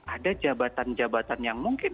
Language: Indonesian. ada jabatan jabatan yang mungkin